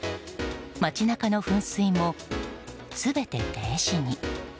町中の噴水も全て停止に。